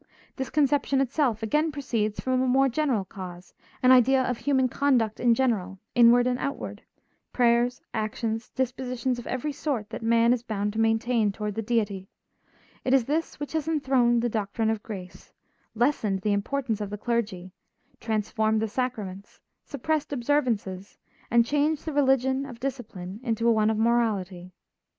This conception itself again proceeds from a more general cause, an idea off human conduct in general, inward and outward, prayers, actions, dispositions of every sort that man is bound to maintain toward the Deity; it is this which has enthroned the doctrine of grace, lessened the importance of the clergy, transformed the sacraments, suppressed observances, and changed the religion of discipline into one of morality.